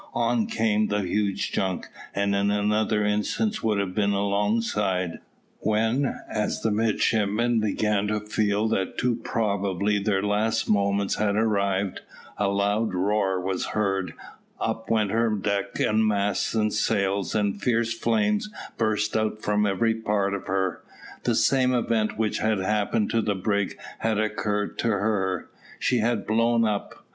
On came the huge junk, and in another instant would have been alongside, when, as the midshipmen began to feel that too probably their last moments had arrived, a loud roar was heard, up went her decks and masts and sails, and fierce flames burst out from every part of her the same event which had happened to the brig had occurred to her; she had blown up.